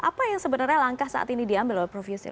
apa yang sebenarnya langkah saat ini diambil oleh prof yusri